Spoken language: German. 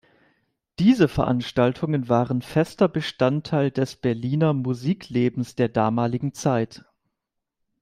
Diese Veranstaltungen waren fester Bestandteil des Berliner Musiklebens der damaligen Zeit.